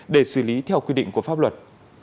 để xử lý theo quy định của pháp luật